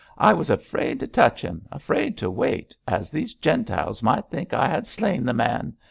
I was afraid to touch him, afraid to wait, as these Gentiles might think I had slain the man.